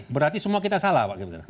berarti semua kita salah pak